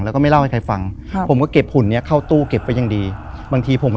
แล้วก็ไม่เล่าให้ใครฟัง